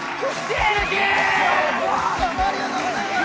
ありがとうございます！